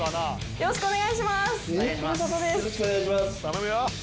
よろしくお願いします。